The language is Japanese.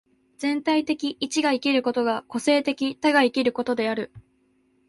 全体的一が生きることが個物的多が生きることである。